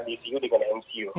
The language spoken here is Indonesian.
dcu dengan mcu